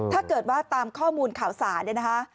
ถ้าเกิดว่าตามข้อมูลข่าวสารเนี่ยนะคะ